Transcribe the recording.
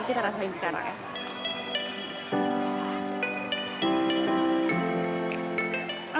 kita rasain sekarang ya